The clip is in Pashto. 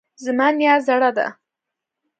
زما نیا زړه ده